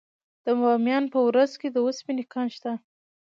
د بامیان په ورس کې د وسپنې کان شته.